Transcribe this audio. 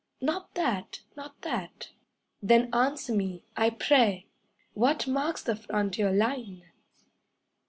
'Not that! Not that!' Then answer me, I pray! What marks the frontier line?